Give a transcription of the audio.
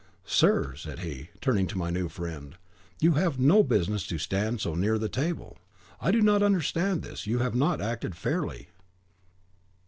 'Sir,' said he, turning to my new friend, 'you have no business to stand so near to the table. I do not understand this; you have not acted fairly.